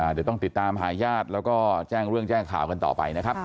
เดี๋ยวต้องติดตามหาญาติแล้วก็แจ้งเรื่องแจ้งข่าวกันต่อไปนะครับ